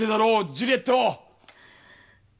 ジュリエット！